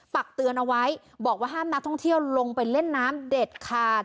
ปักเตือนเอาไว้บอกว่าห้ามนักท่องเที่ยวลงไปเล่นน้ำเด็ดขาด